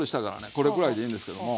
これぐらいでいいんですけども。